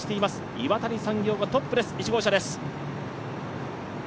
岩谷産業がトップです、１号車です。